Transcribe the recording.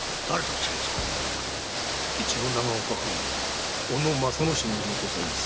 越後長岡藩・小野正之進めにございます。